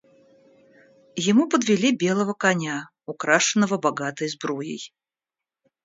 Ему подвели белого коня, украшенного богатой сбруей.